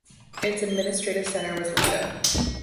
Its administrative centre was Lida.